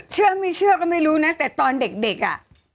เชื่อไม่เชื่อก็ไม่รู้นะแต่ตอนเด็กอ่ะ